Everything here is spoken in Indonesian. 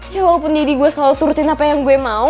ya walaupun didi gue selalu turutin apa yang gue mau